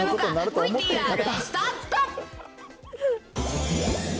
ＶＴＲスタート。